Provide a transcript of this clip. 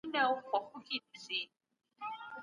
سیاست د ټولنې د هوساینې لپاره ترسره کیږي.